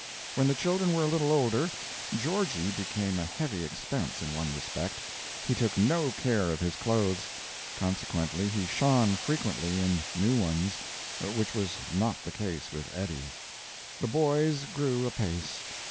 When the children were a little older, Georgie became a heavy expense in one respect: he took no care of his clothes; consequently, he shone frequently in new ones, which was not the case with Eddie. The boys grew apace.